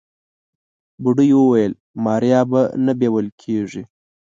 بوډۍ وويل ماريا به نه بيول کيږي.